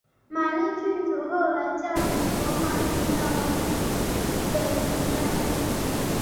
玛丽郡主后来嫁予罗马尼亚王储斐迪南。